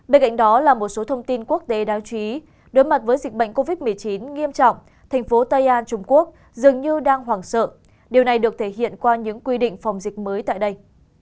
bên cạnh đó là một số thông tin quốc tế đáng chú ý đối mặt với dịch bệnh covid một mươi chín nghiêm trọng thành phố tây an trung quốc dường như đang hoảng sợ điều này được thể hiện qua những quy định phòng dịch mới tại đây